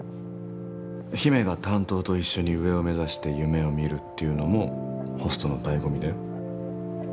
姫が担当と一緒に上を目指して夢をみるっていうのもホストのだいご味だよ。